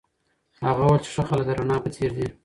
هغه وویل چي ښه خلک د رڼا په څېر دي.